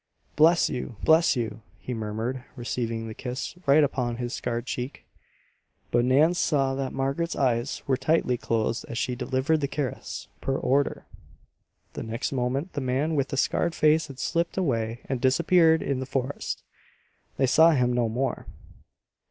"Bless you! Bless you!" he murmured, receiving the kiss right upon his scarred cheek. But Nan saw that Margaret's eyes were tightly closed as she delivered the caress, per order! The next moment the man with the scarred face had slipped away and disappeared in the forest. They saw him no more.